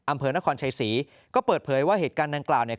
อำเภอนครชัยศรีก็เปิดเผยว่าเหตุการณ์ดังกล่าวเนี่ย